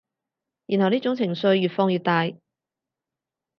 然後呢種情緒越放越大